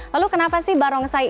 lalu kenapa sih barongsai